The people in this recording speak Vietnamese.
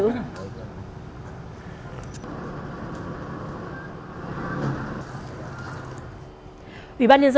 đối tượng bị bắt là nguyễn văn hải sinh năm một nghìn chín trăm tám mươi hai chùa xã cò nòi huyện mai sơn tỉnh sơn la